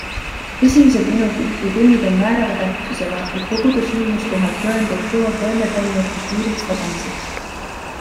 Esimesed minutid ja tunnid on määrava tähtsusega, et koguda sündmuskohalt tõendeid teo toimepanijate kiireks tabamiseks.